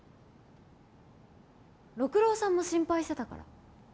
六郎さんも心配してたから。